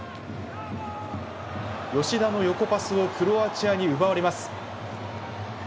吉田の横パスをクロアチアに奪われます。